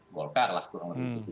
golkar lah kurang lebih